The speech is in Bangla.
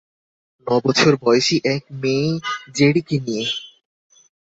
ন বছর বয়সী এক মেয়ে জেড়িকে নিয়ে।